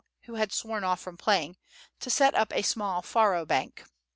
who had sworn off from playing, to set up a small faro bank.